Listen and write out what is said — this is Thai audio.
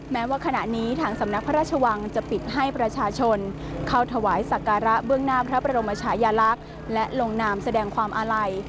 แม้ว่าขณะนี้ทางสำนักพระราชวังจะปิดให้ประชาชนเข้าถวายสักการะเบื้องหน้าพระบรมชายลักษณ์และลงนามแสดงความอาลัย